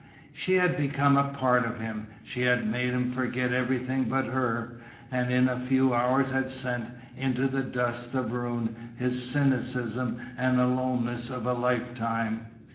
She had become a part of him. She had made him forget everything but her, and in a few hours had sent into the dust of ruin his cynicism and aloneness of a lifetime.